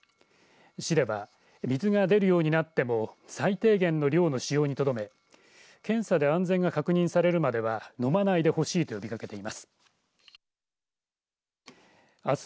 市では、水が出るようになっても最低限の量の使用にとどめ検査で安全が確認されるまでは飲まないでほしいと呼びかけています。